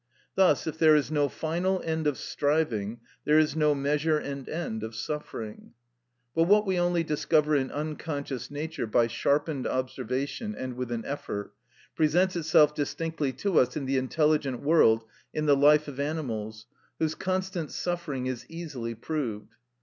Thus, if there is no final end of striving, there is no measure and end of suffering. But what we only discover in unconscious Nature by sharpened observation, and with an effort, presents itself distinctly to us in the intelligent world in the life of animals, whose constant suffering is easily proved.